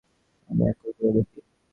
আমি অক্ষরগুলো দেখি।